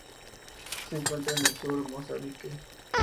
Se encuentra al sur de Mozambique.